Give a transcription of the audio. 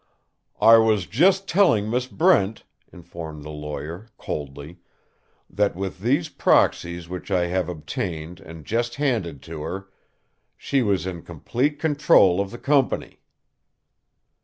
"I was just telling Miss Brent," informed the lawyer, coldly, "that with these proxies which I have obtained and just handed to her, she was in complete control of the company."